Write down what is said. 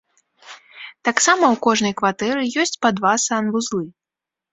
Таксама ў кожнай кватэры ёсць па два санвузлы.